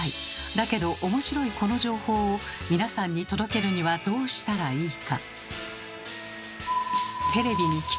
だけど面白いこの情報を皆さんに届けるにはどうしたらいいか。